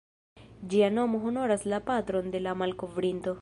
Ĝia nomo honoras la patron de la malkovrinto.